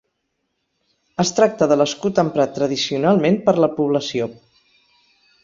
Es tracta de l'escut emprat tradicionalment per la població.